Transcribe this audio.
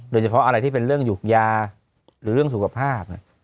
โดยเฉพาะอะไรที่เป็นเรื่องหยุกยาหรือเรื่องสุขภาพ